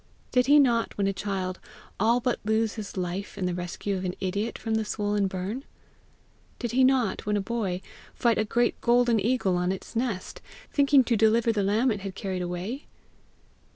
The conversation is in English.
Did he not, when a child, all but lose his life in the rescue of an idiot from the swollen burn? Did he not, when a boy, fight a great golden eagle on its nest, thinking to deliver the lamb it had carried away?